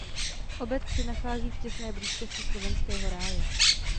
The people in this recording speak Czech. Obec se nachází v těsné blízkosti Slovenského ráje.